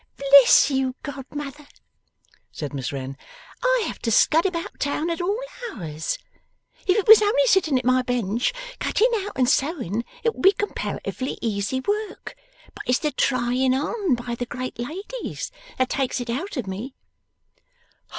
'Bless you, godmother,' said Miss Wren, 'I have to scud about town at all hours. If it was only sitting at my bench, cutting out and sewing, it would be comparatively easy work; but it's the trying on by the great ladies that takes it out of me.